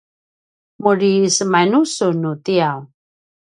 muri semainu sun nu tiyaw?